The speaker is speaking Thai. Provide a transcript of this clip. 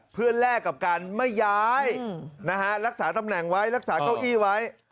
เพื่อแลกกับการไม่ย้ายรักษาตำแหน่งไว้รักษาเก้าอี้ไว้